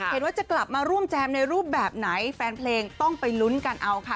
เห็นว่าจะกลับมาร่วมแจมในรูปแบบไหนแฟนเพลงต้องไปลุ้นกันเอาค่ะ